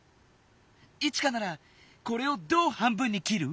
イチカならこれをどう半分にきる？